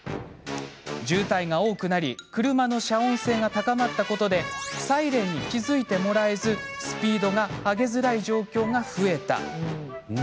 渋滞が多くなり車の遮音性が高まったことでサイレンに気付いてもらえずスピードが上げづらい状況が増えた。